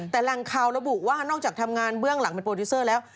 แต่แหล่งข่าวระบุว่านอกจากทำงานเบื้องหลังเป็นโปรดิวเซอร์แล้ว